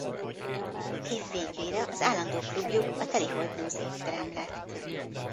Év végére az állandó klubjuk a Telihold Blues Étterem lett.